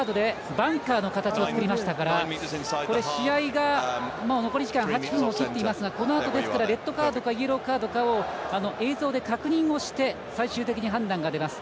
バンカーの形を作りましたから試合が残り時間８分を切っていますからこのあと、レッドカードかイエローカードかを映像で確認をして最終的に判断が出ます。